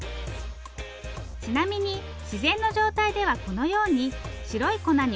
ちなみに自然の状態ではこのように白い粉に覆われています。